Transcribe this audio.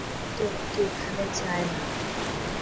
কেউ তোমাকে এখানে চায় না।